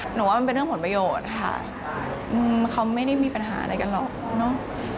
ว่ามันเป็นเรื่องผลประโยชน์ค่ะเขาไม่ได้มีปัญหาอะไรกันหรอกเนอะ